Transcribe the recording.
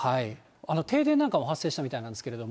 停電なんかも発生したみたいなんですけども。